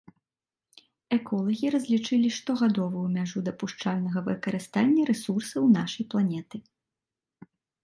Эколагі разлічылі штогадовую мяжу дапушчальнага выкарыстання рэсурсаў нашай планеты.